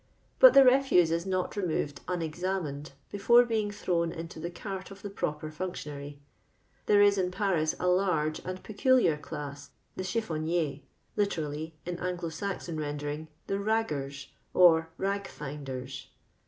But the refuse is not removed unexanuncd before being thrown into the cart of the proper ! functionar}'. There is in Paris a large and i peculiar dnss, the chifibnniers (liter^y, in Anglo Saxon rendering, the raggcrt^ or rag ; finders).